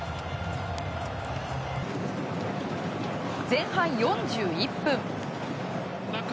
前半４１分。